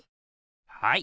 はい。